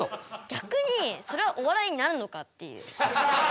逆にそれはお笑いになるのかっていう。